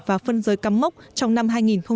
và phân giới cắm mốc trong năm hai nghìn một mươi sáu